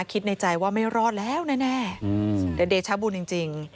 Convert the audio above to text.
คิดในใจว่าไม่รอดแล้วแน่แน่แต่เดชาบูนจริงจริง